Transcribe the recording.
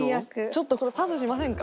ちょっとこれパスしませんか？